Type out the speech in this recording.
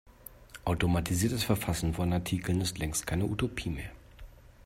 Automatisiertes Verfassen von Artikeln ist längst keine Utopie mehr.